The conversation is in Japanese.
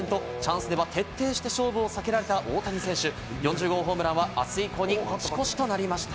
２試合連続２敬遠とチャンスでは徹底して勝負を避けられた大谷選手、４０号ホームランはあす以降に持ち越しとなりました。